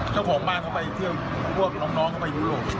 เจ้าของบ้านเขาไปเที่ยวพวกน้องเข้าไปยุโรป